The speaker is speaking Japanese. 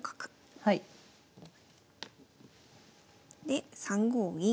で３五銀。